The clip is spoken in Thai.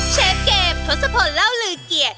เชฟเกมทนสะพนเล่าลือเกียจ